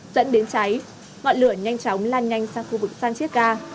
dẫn đến cháy ngọn lửa nhanh chóng lan nhanh sang khu vực san chiết ga